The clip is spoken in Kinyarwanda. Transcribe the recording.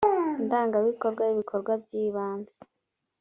indangabikorwa y’ibikorwa by’ibanze